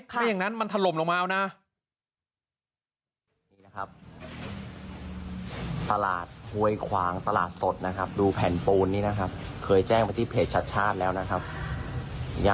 ไม่อย่างนั้นมันถล่มลงมาเอานะ